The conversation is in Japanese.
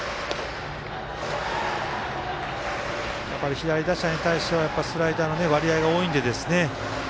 左打者に対しては、スライダーの割合が多いんでですね。